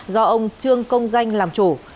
do ông trương công danh làm chủ